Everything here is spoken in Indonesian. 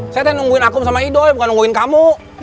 saya yang nungguin akum sama idoi bukan nungguin kamu